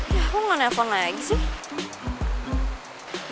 ya gue enggak nelfon lagi sih